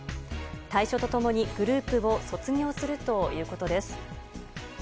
退所と共にグループを卒業するということです。